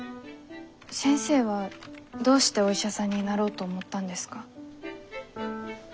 先生はどうしてお医者さんになろうと思ったんですか？